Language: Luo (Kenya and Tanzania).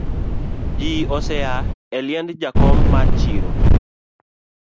Ji osea eliend jakom mar chiro